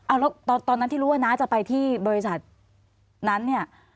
เอาแล้วตอนนั้นที่รู้ว่าน้าจะไปที่บริษัทนั้นเนี่ย